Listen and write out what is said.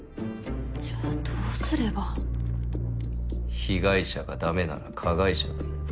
じゃあどうすれば被害者がダメなら加害者だ。